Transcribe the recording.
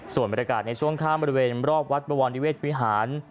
ส่วนบรรยากาศในช่วงข้ามบริเวณรอบวัดบวรนิเวศวิหาร